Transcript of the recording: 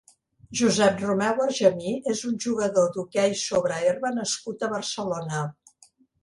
Josep Romeu Argemí és un jugador d'hoquei sobre herba nascut a Barcelona.